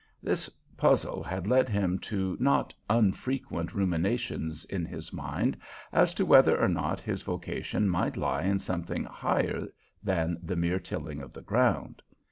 This puzzle had led him to not unfrequent ruminations in his mind as to whether or not his vocation might lie in something higher than the mere tilling of the ground.